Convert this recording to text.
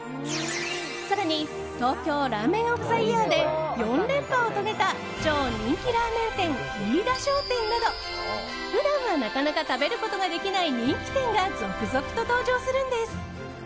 更に東京ラーメン・オブ・ザ・イヤーで４連覇を遂げた超人気ラーメン店、飯田商店など普段は、なかなか食べることができない人気店が続々と登場するんです。